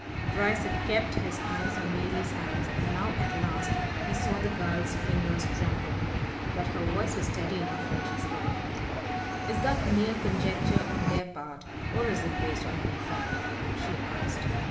Bryce had kept his eyes on Mary's hands, and now at last he saw the girl's fingers tremble. But her voice was steady enough when she spoke. "Is that mere conjecture on their part, or is it based on any fact?" she asked.